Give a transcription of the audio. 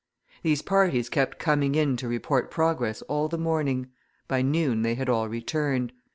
These parties kept coming in to report progress all the morning: by noon they had all returned.